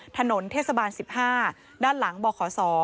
ถนนเทศบาล๑๕ด้านหลังบขศ